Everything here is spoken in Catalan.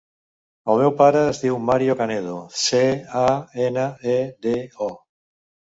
El meu pare es diu Mario Canedo: ce, a, ena, e, de, o.